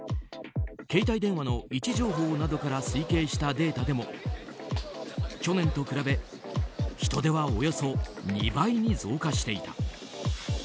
携帯電話の位置情報などから推計したデータでも去年と比べ人出はおよそ２倍に増加していた。